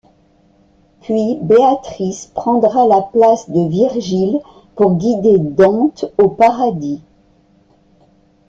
Puis Béatrice prendra la place de Virgile pour guider Dante au paradis.